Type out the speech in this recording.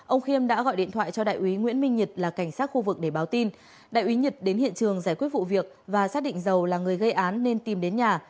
ông khiêm đã gọi điện thoại cho đại úy nguyễn minh nhật là cảnh sát khu vực để báo tin đại úy nhật đến hiện trường giải quyết vụ việc và xác định dầu là người gây án nên tìm đến nhà